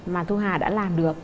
mà thu hà đã làm được